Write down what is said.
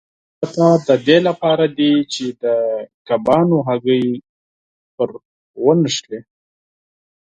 دا نباتات د دې لپاره دي چې د کبانو هګۍ پرې ونښلي.